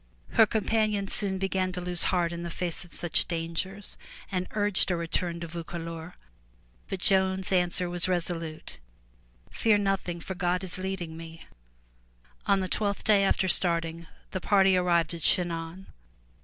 Her companions soon began to lose heart in the face of such dangers and urge a return to Vaucouleurs, but Joan's answer was resolute; "Fear nothing, for God is leading me." 308 FROM THE TOWER WINDOW On the twelfth day after starting, the party arrived at Chinon.